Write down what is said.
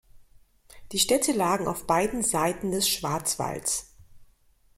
Die Städte lagen auf beiden Seiten des Schwarzwalds.